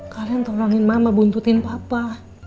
kalian tolongin mama buntutin papa